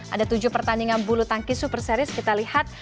ada tujuh pertandingan bulu tangkis super series kita lihat